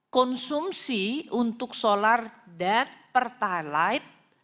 konsumsi untuk solar dan pertalite